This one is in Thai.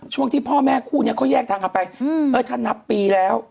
ที่พ่อแม่คู่นี้เขาแยกทางกันไปถ้านับปีแล้ว